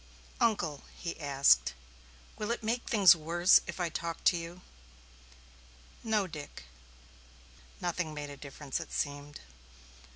"Uncle," he asked, "will it make things worse if I talk to you?" "No, Dick." Nothing made a difference, it seemed.